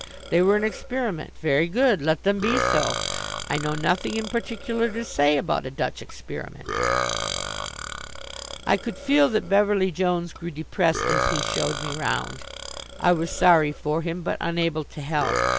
They were an experiment. Very good; let them be so. I know nothing in particular to say about a Dutch experiment. I could feel that Beverly Jones grew depressed as he showed me round. I was sorry for him, but unable to help.